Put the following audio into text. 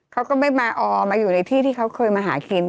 เขาก็ไม่มาออมมาอยู่ในที่ที่เขาเคยมาหาคิม